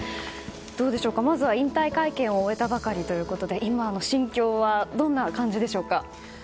まずは引退会見を終えたばかりということで今の心境はどんな感じでしょうか。